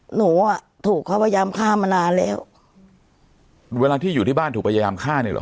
หนูอ่ะถูกเขาพยายามฆ่ามานานแล้วเวลาที่อยู่ที่บ้านถูกพยายามฆ่าเนี่ยเหรอ